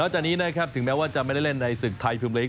จากนี้นะครับถึงแม้ว่าจะไม่ได้เล่นในศึกไทยพิมพลิก